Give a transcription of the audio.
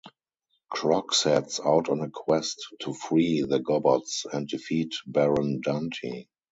Croc sets out on a quest to free the Gobbos and defeat Baron Dante.